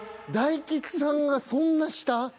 大吉さんがそんな下？